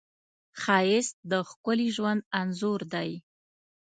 ښایست د ښکلي ژوند انځور دی